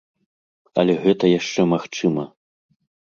Але гэта яшчэ магчыма.